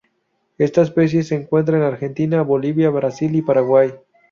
Esta especie se encuentra en Argentina, Bolivia, Brasil y Paraguay.